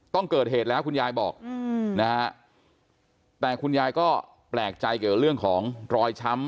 ต้องเกิดเหตุแล้วคุณยายบอกนะฮะแต่คุณยายก็แปลกใจเกี่ยวกับเรื่องของรอยช้ำ